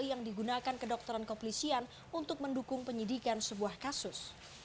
yang digunakan kedokteran kepolisian untuk mendukung penyidikan sebuah kasus